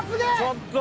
ちょっと！